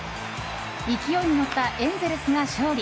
勢いに乗ったエンゼルスが勝利。